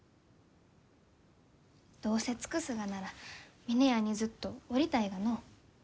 どうせ尽くすがなら峰屋にずっとおりたいがのう。